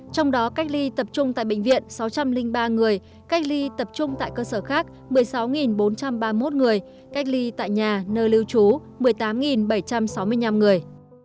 trong đó cách ly tập trung tại bệnh viện sáu trăm linh ba người cách ly tập trung tại cơ sở khác một mươi sáu bốn trăm ba mươi một người cách ly tại nhà nơi lưu trú một mươi tám bảy trăm sáu mươi năm người